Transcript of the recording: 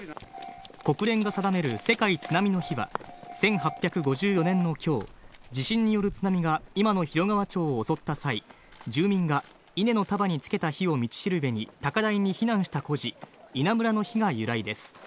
国連が定める世界津波の日は１８５４年の今日、地震による津波が今の広川町を襲った際、住民が稲の束につけた火を道しるべに高台に避難した故事『稲むらの火』が由来です。